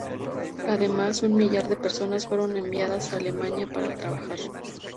Además, un millar de personas fueron enviadas a Alemania para trabajar.